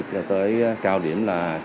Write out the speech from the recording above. cho tới cao điểm là